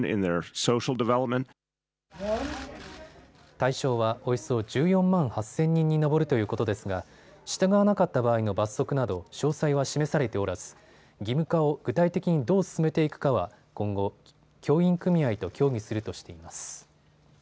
対象はおよそ１４万８０００人に上るということですが従わなかった場合の罰則など詳細は示されておらず義務化を具体的にどう進めていくかは今後、教員組合と協議するとしています。